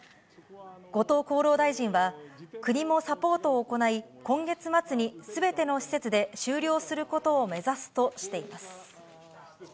後藤厚労大臣は、国もサポートを行い、今月末にすべての施設で終了することを目指すとしています。